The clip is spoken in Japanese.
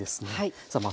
さあまあ